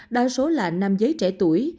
đa số là nam giới trẻ tuổi